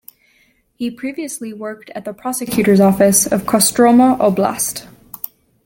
He previously worked at the Prosecutor's Office of Kostroma Oblast.